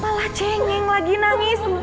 malah cengeng lagi nangis